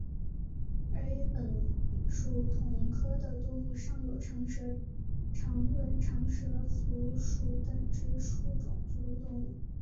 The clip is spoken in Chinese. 而与本属同科的动物尚有长吻长舌蝠属等之数种哺乳动物。